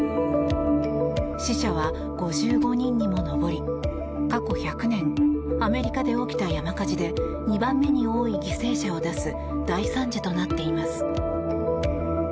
死者は５５人にも上り過去１００年アメリカで起きた山火事で２番目に多い犠牲者を出す大惨事となっています。